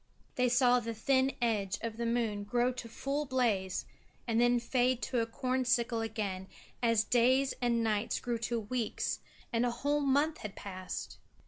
They saw the thin edge of the moon grow to full blaze and then fade to a corn sickle again as days and nights grew to weeks and a whole month had passed.